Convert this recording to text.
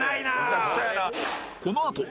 このあと